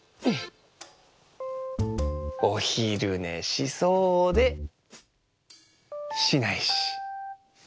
おひるねしそうでしないし。